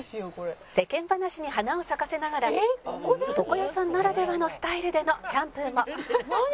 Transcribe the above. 「世間話に花を咲かせながら床屋さんならではのスタイルでのシャンプーも」